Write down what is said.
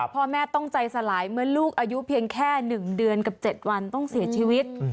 พ่อแม่ต้องใจสลายเมื่อลูกอายุเพียงแค่๑เดือนกับ๗วันต้องเสียชีวิต